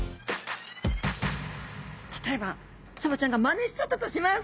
例えばサバちゃんがマネしちゃったとします。